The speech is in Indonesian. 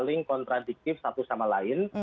saling kontradiktif satu sama lain